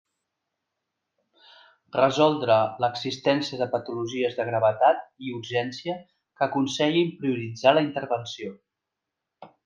Resoldre l'existència de patologies de gravetat i urgència que aconsellin prioritzar la intervenció.